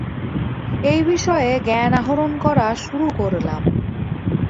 এই বিষয়ে জ্ঞান আহরণ করা শুরু করলাম।